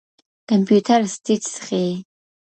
کمپيوټر سټېټس ښيي.